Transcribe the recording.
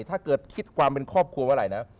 ถ้าเกิดคิดความเป็นครอบครัวเมื่อไหร่นะ